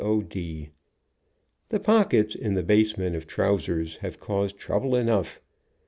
O. D. The pockets in the basement of trdusers have caused trouble enough.